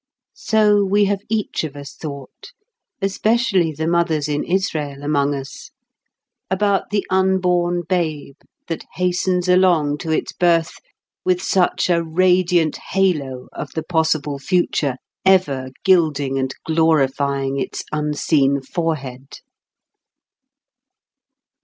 So we have each of us thought—especially the mothers in Israel among us—about the unborn babe that hastens along to its birth with such a radiant halo of the possible future ever gilding and glorifying its unseen forehead.